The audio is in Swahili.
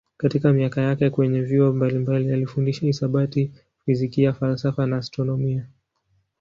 Katika miaka yake kwenye vyuo mbalimbali alifundisha hisabati, fizikia, falsafa na astronomia.